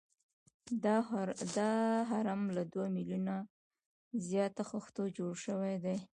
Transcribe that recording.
دا هرم له دوه میلیونه زیاتو خښتو جوړ شوی دی.